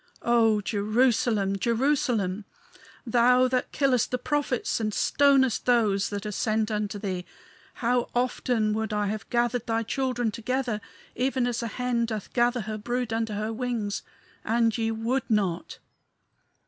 "O Jerusalem! Jerusalem! thou that killest the prophets and stonest those that are sent unto thee how often would I have gathered thy children together, even as a hen doth gather her brood under her wings and ye would not.